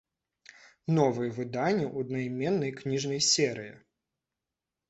Новыя выданні ў аднайменнай кніжнай серыі.